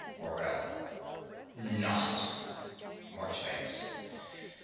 MORELL. Not! MARCHBANKS.